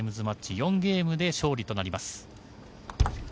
４ゲームで勝利となります。